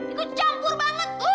aku campur banget